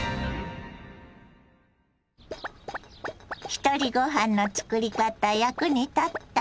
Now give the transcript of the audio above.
ひとりごはんのつくり方役に立った？